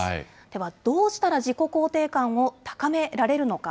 ではどうしたら自己肯定感を高められるのか。